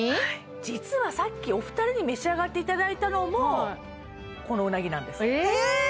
実はさっきお二人に召し上がっていただいたのもこのうなぎなんですえっ